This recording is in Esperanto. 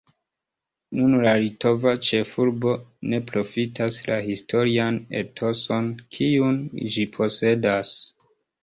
Nun la litova ĉefurbo ne profitas la historian etoson, kiun ĝi posedas.